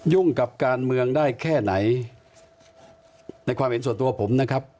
กับการเมืองได้แค่ไหนในความเห็นส่วนตัวผมนะครับ